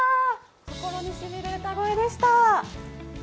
心に染みる歌声でした。